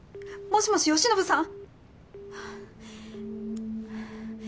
もしもし善信さん！？